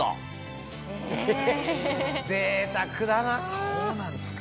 そうなんですか。